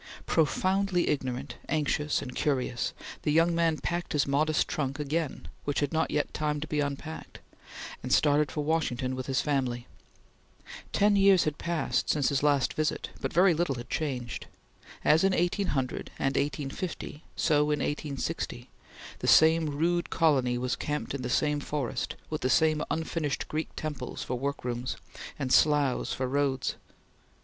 Profoundly ignorant, anxious, and curious, the young man packed his modest trunk again, which had not yet time to be unpacked, and started for Washington with his family. Ten years had passed since his last visit, but very little had changed. As in 1800 and 1850, so in 1860, the same rude colony was camped in the same forest, with the same unfinished Greek temples for work rooms, and sloughs for roads.